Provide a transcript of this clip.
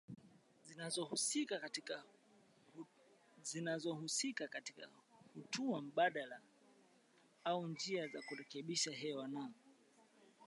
zinazohusika katika hatua mbadala au njia za kuboresha hewa na